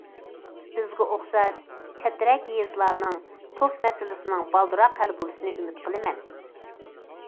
بىزگە ئوخشاش چەترەك يېزىلارنىڭ توك مەسىلىسىنىڭ بالدۇرراق ھەل بولۇشىنى ئۈمىد قىلىمەن.